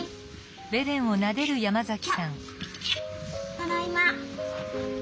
ただいま。